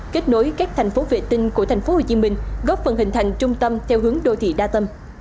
kết nối các thành phố vệ tinh của tp hcm góp phần hình thành trung tâm theo hướng đô thị đa tâm